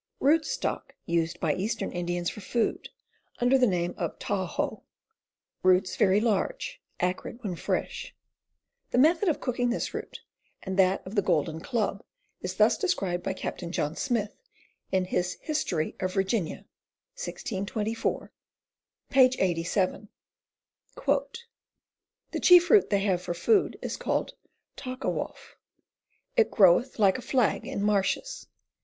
Rootstock used by eastern Indians for food, under the name oi Taw ho. Roots very large; acrid when fresh. The method of cooking this root, and that of the Golden Club, is thus described by Captain John Smith in his Historie of Virginia (1624), p. 87: "The chief e root they haue for food is called Tockawhoughe. It groweth like a flagge in Marishes.